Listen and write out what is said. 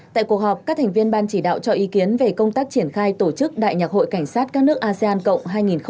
tại cuộc họp các thành viên ban chỉ đạo cho ý kiến về công tác triển khai tổ chức đại nhạc hội cảnh sát các nước asean cộng hai nghìn hai mươi